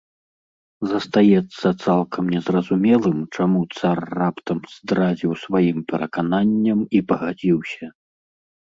Застаецца цалкам незразумелым, чаму цар раптам здрадзіў сваім перакананням і пагадзіўся.